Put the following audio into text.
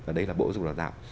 và đây là bộ dục đào tạo